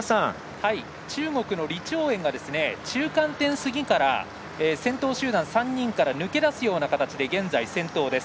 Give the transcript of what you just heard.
中国の李朝燕が中間点過ぎから先頭集団３人から抜け出すような形で現在先頭です。